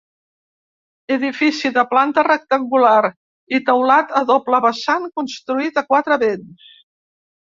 Edifici de planta rectangular i teulat a doble vessant construït a quatre vents.